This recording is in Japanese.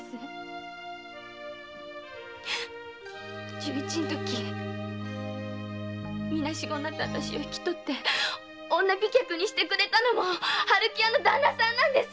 十一のときみなしごになったあたしを引き取って女飛脚にしてくれたのも春喜屋のダンナさんなんです！